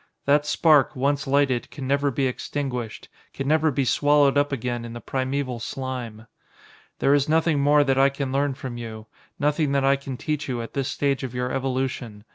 That spark, once lighted, can never be extinguished, can never be swallowed up again in the primeval slime. "There is nothing more that I can learn from you nothing that I can teach you at this stage of your evolution.